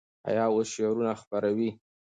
حیا اوس شعرونه خپروي.